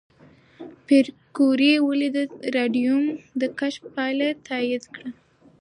پېیر کوري ولې د راډیوم د کشف پایله تایید کړه؟